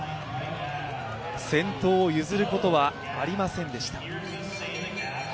先頭を譲ることはありませんでした。